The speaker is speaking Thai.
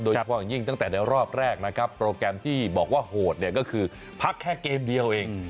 เฉพาะอย่างยิ่งตั้งแต่ในรอบแรกนะครับโปรแกรมที่บอกว่าโหดเนี่ยก็คือพักแค่เกมเดียวเอง